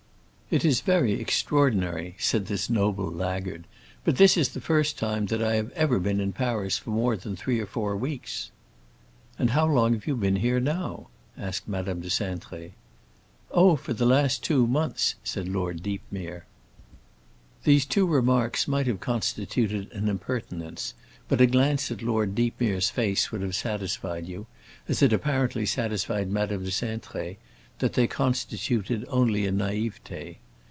"It is very extraordinary," said this noble laggard, "but this is the first time that I have ever been in Paris for more than three or four weeks." "And how long have you been here now?" asked Madame de Cintré. "Oh, for the last two months," said Lord Deepmere. These two remarks might have constituted an impertinence; but a glance at Lord Deepmere's face would have satisfied you, as it apparently satisfied Madame de Cintré, that they constituted only a naïveté.